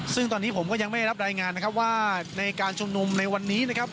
ซึ่งตอนนี้ผมก็ยังไม่ได้รับรายงานนะครับว่าในการชุมนุมในวันนี้นะครับ